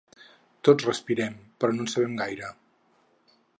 Tots respirem, però no en sabem gaire.